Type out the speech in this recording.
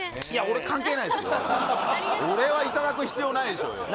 俺はいただく必要ないでしょうよ